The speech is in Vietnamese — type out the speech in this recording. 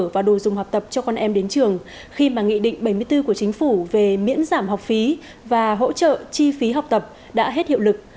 và hỗ trợ chi phí học tập đã hết hiệu lực